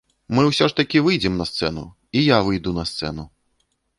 Мы усё ж такі выйдзем на сцэну, і я выйду на сцэну.